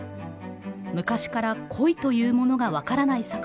昔から恋というものが分からない